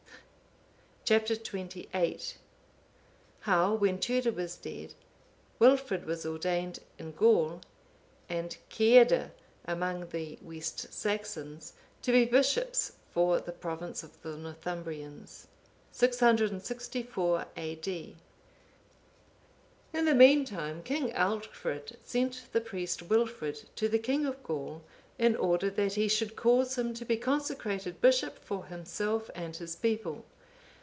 Chap. XXVIII. How, when Tuda was dead, Wilfrid was ordained, in Gaul, and Ceadda, among the West Saxons, to be bishops for the province of the Northumbrians. [664 A.D.] In the meantime, King Alchfrid sent the priest, Wilfrid, to the king of Gaul,(492) in order that he should cause him to be consecrated bishop for himself and his people.